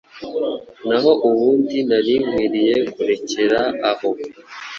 Naho ubundi nari nkwiriye kurekera aho!